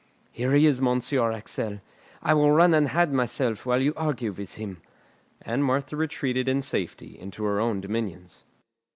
"Here he is, Monsieur Axel; I will run and hide myself while you argue with him." And Martha retreated in safety into her own dominions.